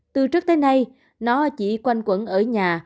từ trước tới nay nó chỉ quanh quẩn ở nhà